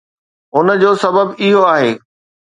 ان جو سبب اهو آهي